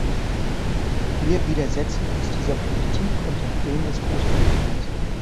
Wir widersetzen uns dieser Politik und den Plänen des Großkapitals.